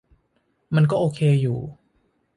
มันก็โอเคอยู่